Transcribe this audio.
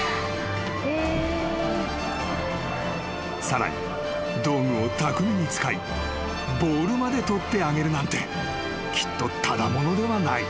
［さらに道具を巧みに使いボールまで取ってあげるなんてきっとただ者ではない。